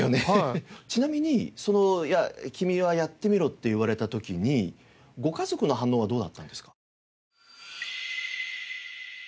ちなみに君はやってみろって言われた時にご家族の反応はどうだったんですか？